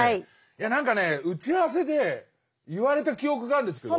いや何かね打ち合わせで言われた記憶があるんですけど。